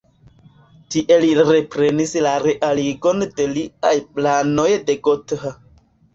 Tie li reprenis la realigon de liaj planoj de Gotha.